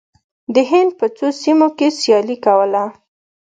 د هند په څو سیمو کې سیالي کوله.